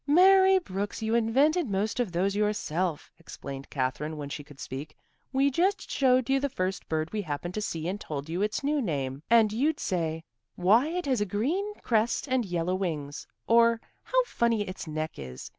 "Mary Brooks, you invented most of those yourself," explained Katherine, when she could speak. "We just showed you the first bird we happened to see and told you its new name and you'd say, 'Why it has a green crest and yellow wings!' or 'How funny its neck is!